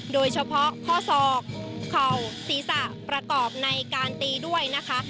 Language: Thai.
โดยเฉพาะข้อศอกเข่าศีรษะประกอบในการตีด้วยนะคะ